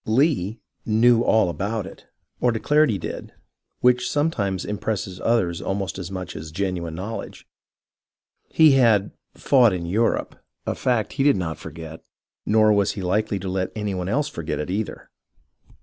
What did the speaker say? Lee " knew all about it," or declared he did, which some times impresses others almost as much as genuine know ledge. He had " fought in Europe," a fact he did not forget, nor was he likely to let any one else forget it either.